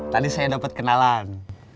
tadi saya dapet kenalan